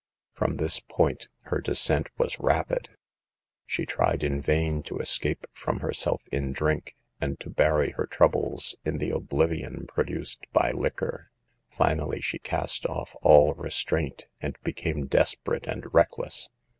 Prom this point her descent was rapid. She tried in vain to escape from herself in drink, and to bury her troubles in the oblivion produced by liquor. Finally she cast off all restraint and became desperate and reckless.